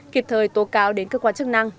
kịp thời tố cáo đến cơ quan chức năng